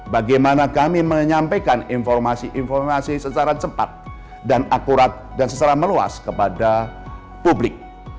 bagaimana kami menyampaikan informasi informasi secara cepat dan akurat dan secara meluas kepada publik